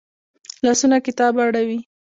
لاسونه کتابونه اړوي